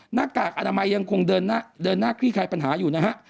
หน้ากากอนามัยยังคงเดินหน้าคลี่คลายปัญหาอยู่นะฮะ